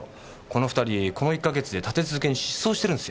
この２人この１か月で立て続けに失踪してるんすよ。